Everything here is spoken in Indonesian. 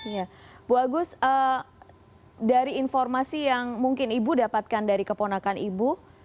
ya bu agus dari informasi yang mungkin ibu dapatkan dari keponakan ibu